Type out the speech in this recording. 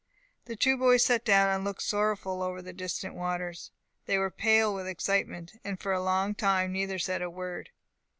The two boys sat down, and looked sorrowfully over the distant waters. They were pale with excitement, and for a long time neither said a word.